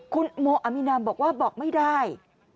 คุณโมอามินามบอกว่าบอกไม่ได้